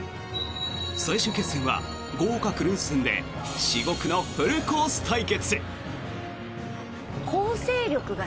最終決戦は豪華クルーズ船で至極のフルコース対決。